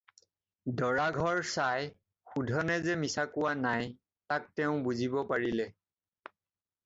দৰা-ঘৰ চাই সুধনে যে মিছা কোৱা নাই তাক তেওঁ বুজিব পাৰিলে।